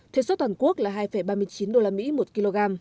thuế xuất toàn quốc là hai ba mươi chín usd một kg